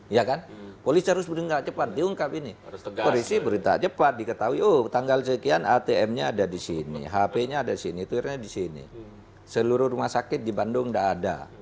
iya kan polisi harus bergerak cepat diungkap ini polisi berita cepat diketahui oh tanggal sekian atm nya ada di sini hp nya ada di sini twirnya di sini seluruh rumah sakit di bandung tidak ada